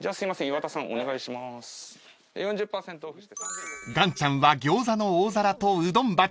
［岩ちゃんは餃子の大皿とうどん鉢］